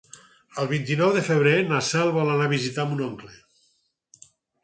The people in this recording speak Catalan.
El vint-i-nou de febrer na Cel vol anar a visitar mon oncle.